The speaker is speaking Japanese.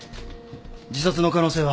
自殺の可能性は？